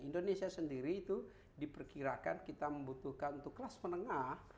indonesia sendiri itu diperkirakan kita membutuhkan untuk kelas menengah